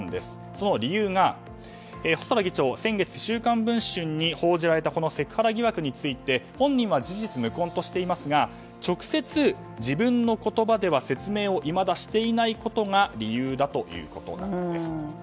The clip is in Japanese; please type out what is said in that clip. その理由が、細田議長先月「週刊文春」に報じられたセクハラ疑惑について本人は事実無根としていますが直接自分の言葉では説明をいまだ、していないことが理由だということなんです。